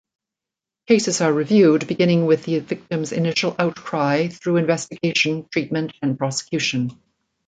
Cases are reviewed beginning with the victim's initial outcry through investigation, treatment and prosecution.